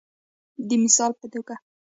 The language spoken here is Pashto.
د مثال په توګه